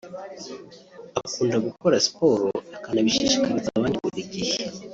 Akunda gukora siporo akanabishishikariza abandi buri gihe